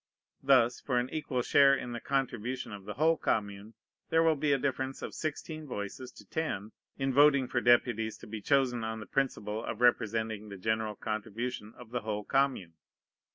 Thus, for an equal share in the contribution of the whole commune, there will be a difference of sixteen voices to ten in voting for deputies to be chosen on the principle of representing the general contribution of the whole commune.